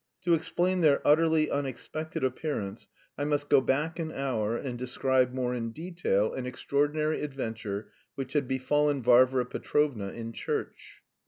To explain their utterly unexpected appearance, I must go back an hour and describe more in detail an extraordinary adventure which had befallen Varvara Petrovna in church.